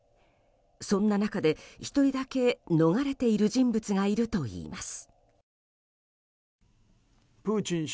そんな中で１人だけ逃れている人物がいるといいます。